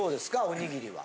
おにぎりは。